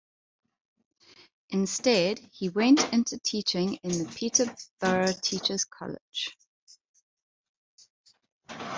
Instead, he went into teaching in the Peterborough Teachers' College.